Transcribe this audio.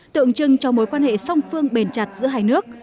tượng trưng cho mối quan hệ song phương bền chặt giữa hai nước